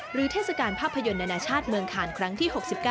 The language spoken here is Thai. เทศกาลภาพยนตร์นานาชาติเมืองคานครั้งที่๖๙